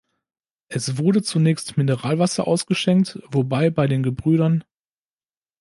Es wurde zunächst Mineralwasser ausgeschenkt, wobei bei den Gebr.